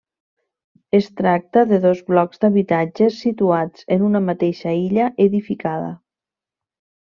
Es tracta de dos blocs d'habitatges situats en una mateixa illa edificada.